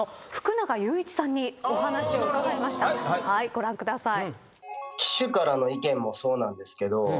ご覧ください。